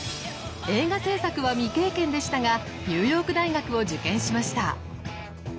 映画制作は未経験でしたがニューヨーク大学を受験しました。